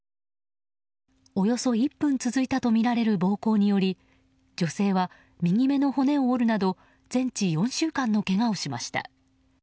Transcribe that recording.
およそ１分続いたとみられる暴行により女性は右目の骨を折るなど全治４週間のけがをしました。